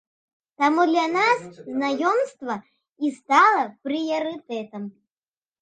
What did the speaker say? Таму для нас знаёмства і стала прыярытэтам.